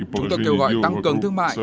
chúng tôi kêu gọi tăng cường thương mại